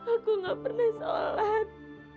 aku nggak pernah sholat